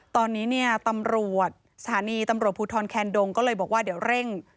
ตอนนี้เนี่ยตำรวจสถานีตำรวจภูทรแคนดงก็เลยบอกว่าเดี๋ยวเร่ง